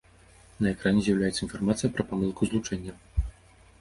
На экране з'яўляецца інфармацыя пра памылку злучэння.